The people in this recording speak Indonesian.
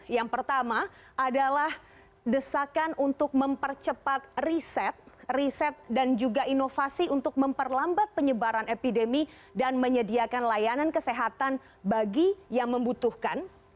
yang pertama adalah desakan untuk mempercepat riset riset dan juga inovasi untuk memperlambat penyebaran epidemi dan menyediakan layanan kesehatan bagi yang membutuhkan